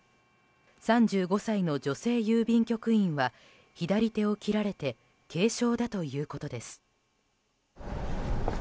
３５歳の女性郵便局員は左手を切られて軽傷だということです。